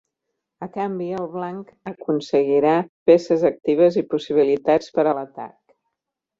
A canvi, el blanc aconseguirà peces actives i possibilitats per a l'atac.